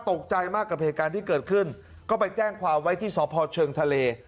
ตกใจมากกับเหตุการณ์ที่เกิดขึ้นก็ไปแจ้งความไว้ที่สพเชิงทะเล